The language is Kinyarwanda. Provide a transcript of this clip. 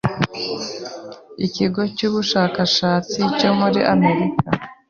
Ikigo cy’ubushakashatsi cyo muri Amerika,